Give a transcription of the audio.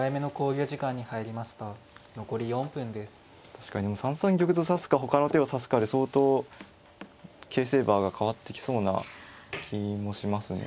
確かに３三玉と指すかほかの手を指すかで相当形勢バーが変わってきそうな気もしますね。